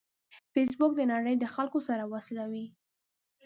فېسبوک د نړۍ د خلکو سره وصلوي